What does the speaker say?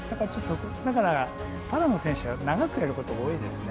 だからパラの選手は長くやることが多いですね。